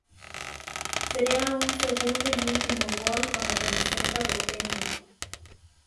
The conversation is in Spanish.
Sería su segundo y último gol con la camiseta boquense.